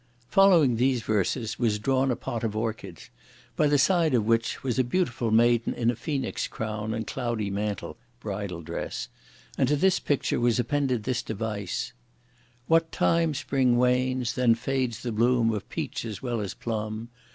Following these verses, was drawn a pot of Orchids, by the side of which, was a beautiful maiden in a phoenix crown and cloudy mantle (bridal dress); and to this picture was appended this device: What time spring wanes, then fades the bloom of peach as well as plum!